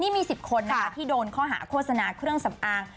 มีสิบคนที่ดูห้าโฆษณาเครื่องสำอาง